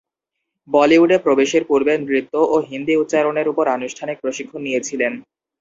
বলিউডে প্রবেশের পূর্বে নৃত্য ও হিন্দি উচ্চারণের উপর আনুষ্ঠানিক প্রশিক্ষণ নিয়েছিলেন।